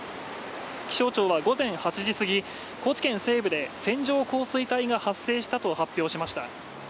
気象庁は午前８時過ぎ高知県西部で線状降水帯が発生したと発表しました。